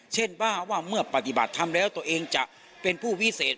เช่นบ้างว่าเมื่อปฏิบัติทำแล้วตัวเองจะเป็นผู้วิเศษ